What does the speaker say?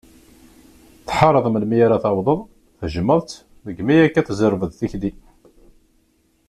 Tḥareḍ melmi ara tawḍeḍ, tejjmeḍ-tt degmi akka tzerbeḍ tikli.